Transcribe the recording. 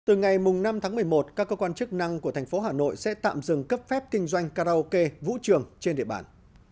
từ ngày năm tháng một mươi một các cơ quan chức năng của thành phố hà nội sẽ tạm dừng cấp phép kinh doanh karaoke vũ trường trên địa bàn